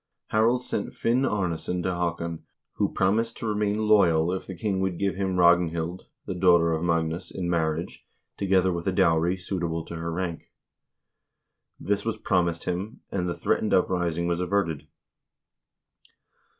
Harald sent Finn Arnesson to Haa kon, who promised to remain loyal if the king would give him Ragn hild, the daughter of Magnus, in marriage, together with a dowry suitable to her rank. This was promised him, and the threatened uprising was averted.